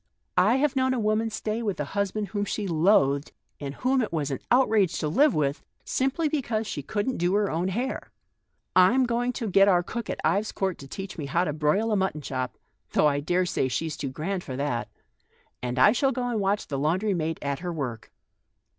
I have known a woman stay with a husband whom she loathed, and whom it was an out rage to live with, simply because she couldn't do her own hair. I'm going to get our cook at Ives Court to teach me how to broil a mutton chop, though I daresay she's too grand for that ; and I shall go and watch the laundry maid at her work."